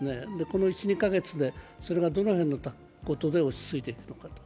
この１２カ月で、それがどの辺のことで落ち着いていくのかと。